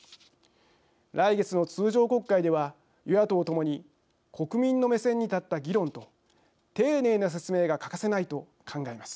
来月の通常国会では与野党ともに国民の目線に立った議論と丁寧な説明が欠かせないと考えます。